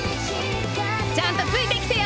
ちゃんとついて来てよ！